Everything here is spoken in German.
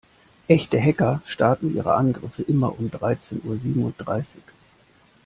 Echte Hacker starten ihre Angriffe immer um dreizehn Uhr siebenunddreißig.